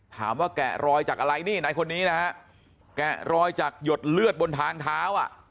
แกะรอยจากอะไรนี่ไหนคนนี้นะฮะแกะรอยจากหยดเลือดบนทางเท้าอ่ะ